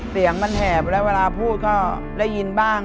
เสียงมันแหบแล้วเวลาพูดก็ได้ยินบ้าง